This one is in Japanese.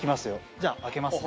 じゃあ開けますね。